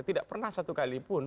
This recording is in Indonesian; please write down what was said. tidak pernah satu kalipun